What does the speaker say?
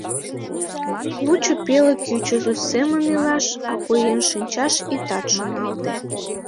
Лучо пеле кӱчызӧ семын илаш, а поен шинчаш итат шоналте.